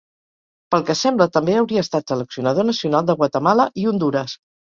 Pel que sembla, també hauria estat Seleccionador Nacional de Guatemala i Hondures.